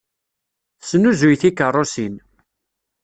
Tesnuzuy tikeṛṛusin.